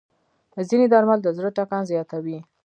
ځینې درمل د زړه ټکان زیاتوي.